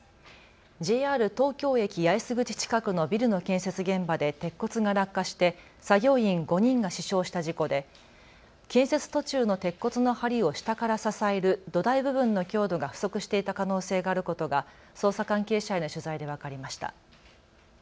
ＪＲ東京駅八重洲口近くのビルの建設現場で鉄骨が落下して作業員５人が死傷した事故で建設途中の鉄骨のはりを下から支える土台部分の強度が不足していた可能性があることが捜査関係者への取材で分かりました。